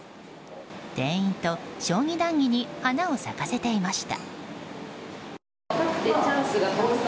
店員と将棋談義に花を咲かせていました。